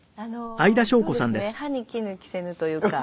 歯に衣着せぬというか。